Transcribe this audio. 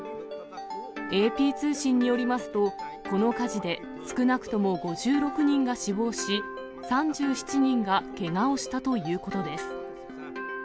ＡＰ通信によりますと、この火事で、少なくとも５６人が死亡し、３７人がけがをしたということです。